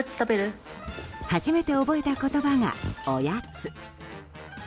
初めて覚えた言葉が、おやつ。